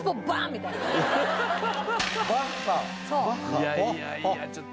いやいやいやちょっと。